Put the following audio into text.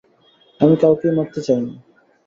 আমি কাউকেই মারতে চাই না।